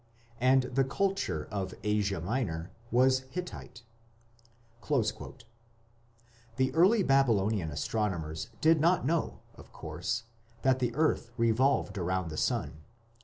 And the culture of Asia Minor was Hittite." The early Babylonian astronomers did not know, of course, that the earth revolved round the sun.